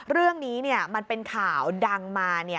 เรื่องนี้มันเป็นข่าวดังมา